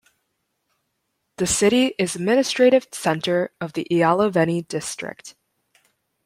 The city is administrative center of the Ialoveni District.